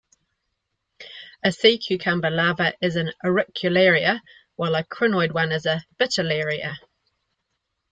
A sea cucumber larva is an 'auricularia' while a crinoid one is a 'vitellaria'.